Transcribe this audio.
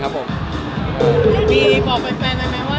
บีบอบไว้แฟนไว้ว่า